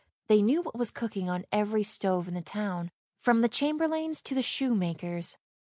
They knew what was cooking on every stove in the town, from the chamberlain's to the shoemaker's.